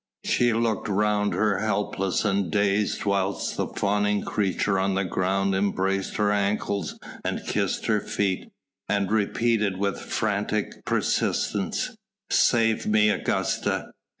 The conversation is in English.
She looked round her helpless and dazed whilst the fawning creature on the ground embraced her ankles and kissed her feet, and repeated with frantic persistence: "Save me, Augusta